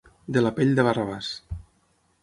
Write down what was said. De la pell de Barrabàs.